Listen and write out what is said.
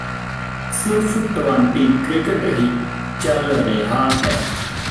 ਸਿਰਫ twenty cricket ਹੀ ਚੱਲ ਰਿਹਾ ਹੈ